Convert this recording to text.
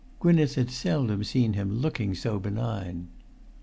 Gwynneth had seldom seen him looking so benign.